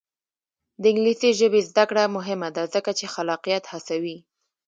د انګلیسي ژبې زده کړه مهمه ده ځکه چې خلاقیت هڅوي.